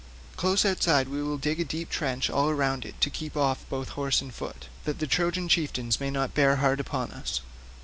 Close outside we will dig a deep trench all round it to keep off both horse and foot, that the Trojan chieftains may not bear hard upon us."